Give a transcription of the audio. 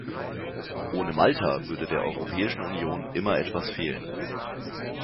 Ohne Malta würde der Europäischen Union immer etwas fehlen.